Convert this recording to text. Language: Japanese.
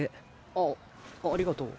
あっありがとう。